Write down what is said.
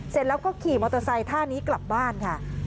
เสร็จแล้วก็ขี่มอเตอร์ไซค์ท่านี้กลับบ้านค่ะ